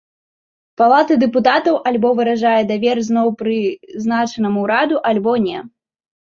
Палата дэпутатаў альбо выражае давер зноў прызначанаму ўраду, альбо не.